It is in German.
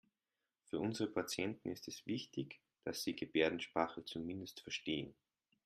Für unsere Patienten ist es wichtig, dass Sie Gebärdensprache zumindest verstehen.